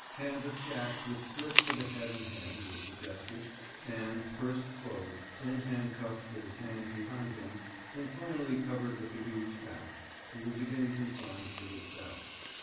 Canvas sacks, with slits for the head and hands, were suggested, and, first clothed, then handcuffed with his hands behind him, and finally covered with the huge sack, he was again consigned to the cell.